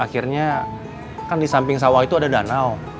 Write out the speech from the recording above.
akhirnya kan di samping sawah itu ada danau